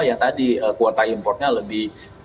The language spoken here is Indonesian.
yang tadi kuota impornya lebih